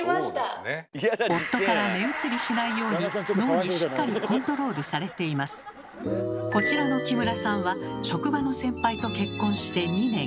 夫から目移りしないようにこちらの木村さんは職場の先輩と結婚して２年。